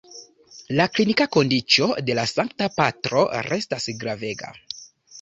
La klinika kondiĉo de la Sankta Patro restas gravega.